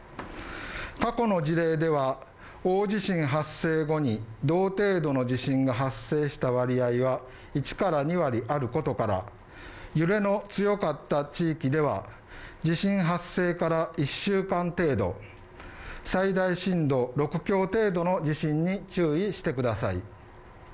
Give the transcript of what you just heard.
過去の事例では、大地震発生後に同程度の地震が発生した割合は１２割あることから、揺れの強かった地域では地震発生から１週間程度最大震度６強程度の地震に注意してください。